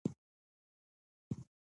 مه ټوخیژه